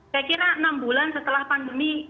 saya kira enam bulan setelah pandemi